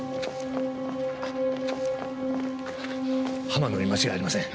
浜野に間違いありません。